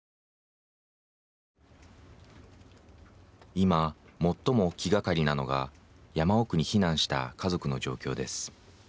今、最も気がかりなのが山奥に避難した家族の状況です。